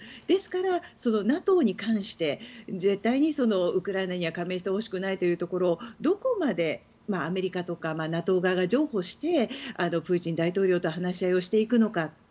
ですから、ＮＡＴＯに関して絶対にウクライナには加盟してほしくないというところをどこまでアメリカとかＮＡＴＯ側が譲歩して、プーチン大統領と話し合いをしていくのか。